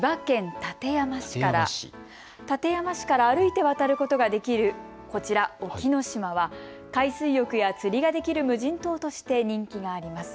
館山市から歩いて渡ることができるこちら沖ノ島は海水浴や釣りができる無人島として人気があります。